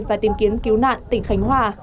và tìm kiến cứu nạn tỉnh khánh hòa